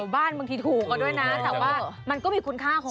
บ้านบางทีถูกเอาด้วยนะแต่ว่ามันก็มีคุณค่าของ